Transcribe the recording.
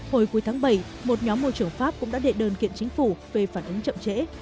hồi cuối tháng bảy một nhóm môi trường pháp cũng đã đệ đơn kiện chính phủ về phản ứng chậm trễ